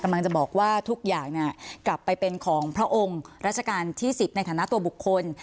กำลังจะบอกว่าทุกอย่างกลับไปเป็นของพระองค์รัชกาลที่๑๐ในฐานะตัวบุคคล